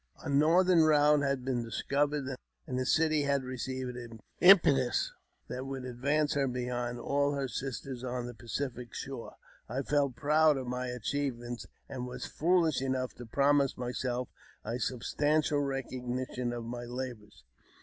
A northern route had been discovered, and the city had received an impetus that would advance her beyond all her sisters on the Pacific shore. I felt proud of my achieve ment, and was foolish enough to promise myself a substantial recognition of my labours.